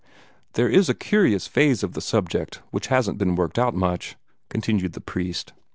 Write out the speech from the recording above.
"There is a curious phase of the subject which hasn't been worked out much," continued the priest.